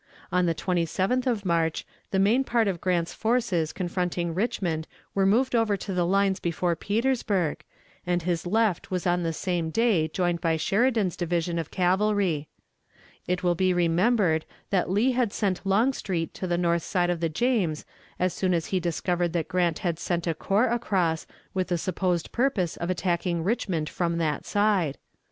On the 27th of March the main part of Grant's forces confronting Richmond were moved over to the lines before Petersburg, and his left was on the same day joined by Sheridan's division of cavalry. It will be remembered that Lee had sent Longstreet to the north side of the James as soon as he discovered that Grant had sent a corps across with the supposed purpose of attacking Richmond from that side.